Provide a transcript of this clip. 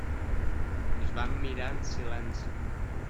Es van mirar en silenci.